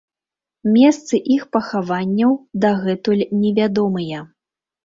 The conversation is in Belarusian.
Месцы іх пахаванняў дагэтуль не вядомыя.